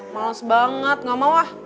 males banget gak mau wah